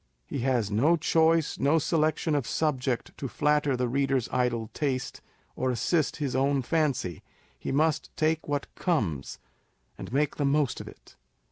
He has no choice, no selection of subject to flatter the reader's idle taste, or assist his own fancy : he must take what comes, and make the most of it.